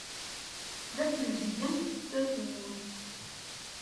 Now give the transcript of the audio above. La tleddyem tazewwut.